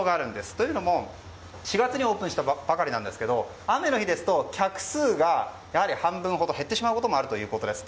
というのも、４月にオープンしたばかりなんですが雨の日ですと客数が半分ほど減ってしまうことがあるということです。